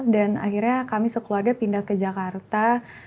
dan akhirnya kami sekeluarga pindah ke jakarta